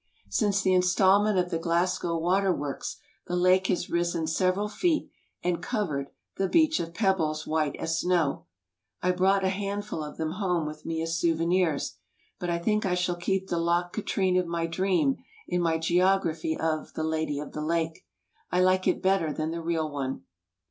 Since the instalment of the Glasgow waterworks the lake has risen several feet and covered 'the beach of pebbles white as snow.' I brought a handful of them home with me as souvenirs. But I think I shall keep the Loch Katrine of my dream in my geography of the "Lady of the Lake." I like it bener than the real one.